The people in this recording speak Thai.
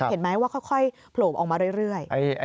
เห็นไหมว่าค่อยโผล่ออกมาเรื่อย